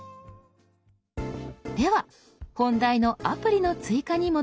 では本題のアプリの追加に戻りましょう。